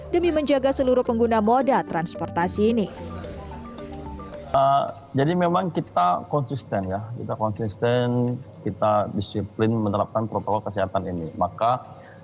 meski menjadi salah satu kelompok yang diprioritaskan dalam vaksinasi tahap kedua pt kereta api indonesia selaku operator transportasi tanah air berkomitmen terus menegakkan protokol kesehatan di semua stasiun